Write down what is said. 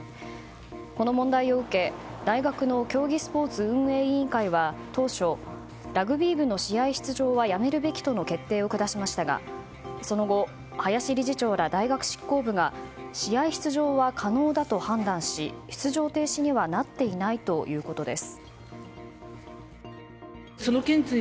この問題を受け、大学の競技スポーツ運営委員会は当初、ラグビー部の試合出場はやめるべきとの決定を下しましたがその後、林理事長ら大学執行部が試合出場は可能だと判断し出場停止にはなっていないということです。